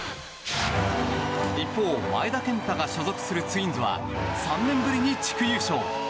一方、前田健太が所属するツインズは３年ぶりに地区優勝。